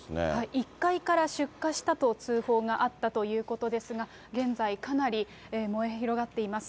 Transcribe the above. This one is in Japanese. １階から出火したと通報があったということですが、現在、かなり燃え広がっています。